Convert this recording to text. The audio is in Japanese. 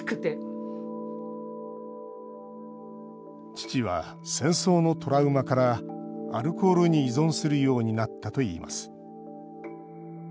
父は戦争のトラウマからアルコールに依存するようになったといいます。